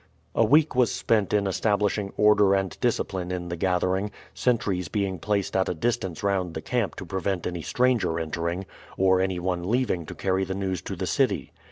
A week was spent in establishing order and discipline in the gathering, sentries being placed at a distance round the camp to prevent any stranger entering, or any one leaving to carry the news to the city.